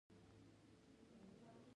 خوشحالي د زړه حال ښه کوي